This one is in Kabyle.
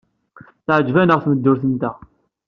Teɛjeb-aneɣ tmeddurt-nteɣ.